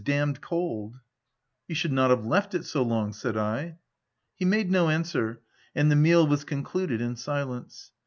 d — d cold." "•You should not have left it so long/' said I. He made no answer, and the meal was con cluded in silence.